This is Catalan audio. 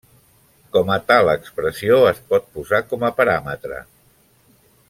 Com a tal expressió es pot posar com a paràmetre.